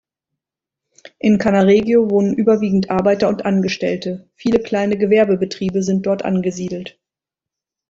In Cannaregio wohnen überwiegend Arbeiter und Angestellte, viele kleine Gewerbebetriebe sind dort angesiedelt.